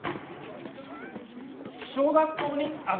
小学校に上がる年